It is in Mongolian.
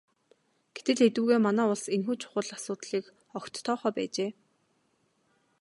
Гэтэл эдүгээ манай улс энэхүү чухал асуудлыг огт тоохоо байжээ.